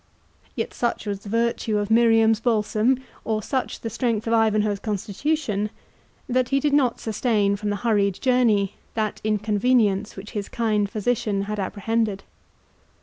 Yet such was the virtue of Miriam's balsam, or such the strength of Ivanhoe's constitution, that he did not sustain from the hurried journey that inconvenience which his kind physician had apprehended.